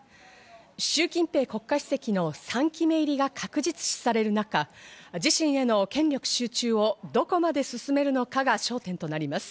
シュウ・キンペイ国家主席の３期目入りが確実視される中、自身への権力集中をどこまで進めるのかが焦点となります。